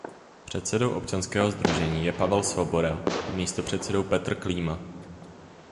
Předsedou občanského sdružení je Pavel Svoboda a místopředsedou Petr Klíma.